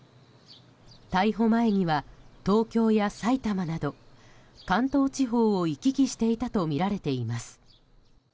逮捕前には、東京や埼玉など関東地方を行き来していたとみられています。